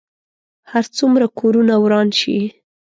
هر څومره کورونه وران شي.